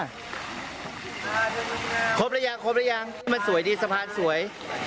ครบแล้วยังมันสวยดีสะพานสวย